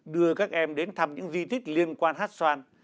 đưa các em đến thăm những di thích liên quan hét xoan